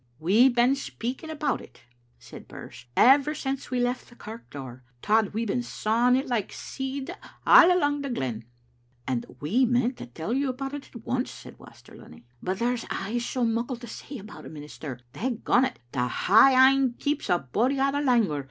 "We've been speaking about it," said Birse, "ever since we left the kirk door. Tod, we've been sawing it like seed a' alang the glen." "And we meant to tell you about it at once," said Waster Lunny ;" but there's aye so muckle to say about a minister. Dagont, to hae ane keeps a body out o' langour.